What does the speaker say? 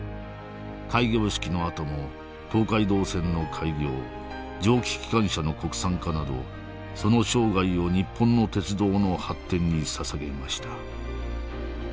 開業式のあとも東海道線の開業蒸気機関車の国産化などその生涯を日本の鉄道の発展にささげました